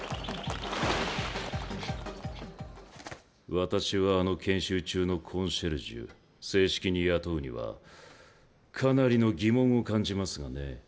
私は、あの研修中のコンシェルジュ正式に雇うにはかなりの疑問を感じますがね。